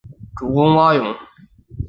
主攻蛙泳。